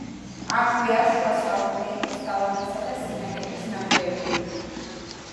აქვეა შუა საუკუნეების გალავნისა და სენაკების ნანგრევები.